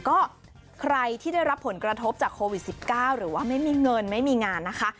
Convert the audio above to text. ก็ใครที่ได้รับผลกระทบจากโควิด๑๙หรือว่าไม่มีเงินไม่มีงานนะคะ